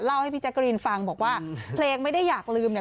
ให้พี่แจ๊กกะรีนฟังบอกว่าเพลงไม่ได้อยากลืมเนี่ย